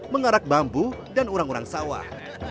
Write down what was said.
mengarak bambu dan orang orang sawah